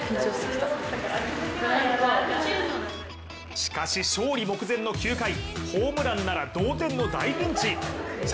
しかし、勝利目前の９回ホームランなら同点の大ピンチ！